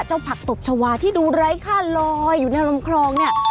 ผักตบชาวาที่ดูไร้ค่าลอยอยู่ในลำคลองเนี่ย